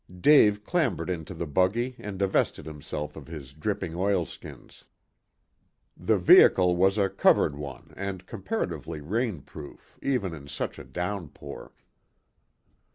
Dave clambered into the buggy and divested himself of his dripping oilskins. The vehicle was a covered one, and comparatively rain proof, even in such a downpour.